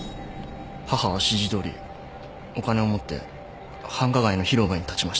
母は指示どおりお金を持って繁華街の広場に立ちました。